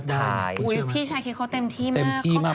พี่ชายคิดเขาเต็มที่มาก